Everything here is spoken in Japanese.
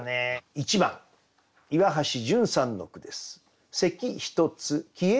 １番岩橋潤さんの句です。